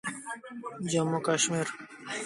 The city was named after J.